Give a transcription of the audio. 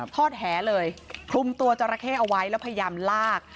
แหเลยคลุมตัวจราเข้เอาไว้แล้วพยายามลาก